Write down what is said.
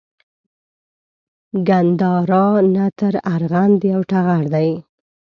ګندارا نه تر ارغند یو ټغر دی